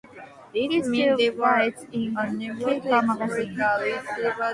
He still writes in "Kafa" magazine.